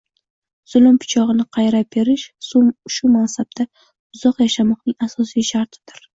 zulm pichog’ini qayrab berish, shu mansabda uzoq yashamoqning asosiy shartidir.